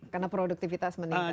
karena produktivitas meningkat